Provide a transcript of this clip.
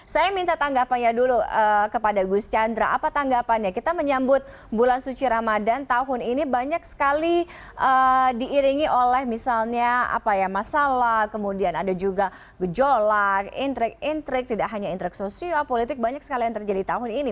saya minta tanggapannya dulu kepada gus chandra apa tanggapannya kita menyambut bulan suci ramadan tahun ini banyak sekali diiringi oleh misalnya masalah kemudian ada juga gejolak intrik intrik tidak hanya intrik sosial politik banyak sekali yang terjadi tahun ini